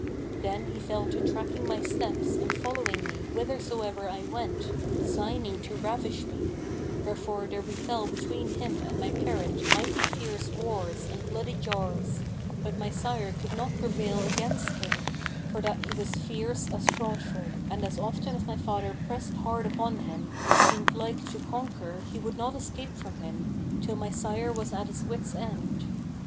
Then he fell to tracking my steps and following me whithersoever I went, designing to ravish me; wherefore there befel between him and my parent mighty fierce wars and bloody jars, but my sire could not prevail against him, for that he was fierce as fraudful and as often as my father pressed hard upon him and seemed like to conquer he would escape from him, till my sire was at his wits' end.